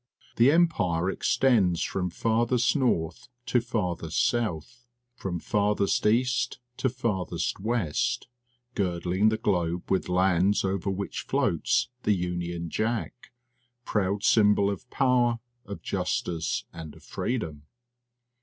The empire extends from farthest north to farthest south, from farthest east to farth est west, girdling the globe with lands over which floats the Union Jack, proud sym bol of power, of justice, and of freedom.